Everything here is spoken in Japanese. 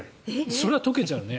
それは溶けちゃうね。